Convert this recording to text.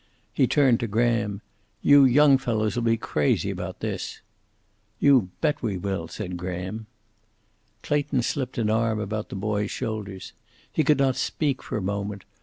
He turned to Graham. "You young fellows'll be crazy about this." "You bet we will," said Graham. Clayton slipped an arm about the boy's shoulders. He could not speak for a moment.